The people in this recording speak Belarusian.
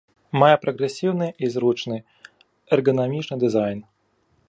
Мае прагрэсіўны і зручны эрганамічны дызайн.